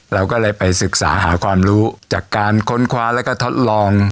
เราก็เลยไปศึกษาหาความรู้จากการค้นคว้าแล้วก็ทดลอง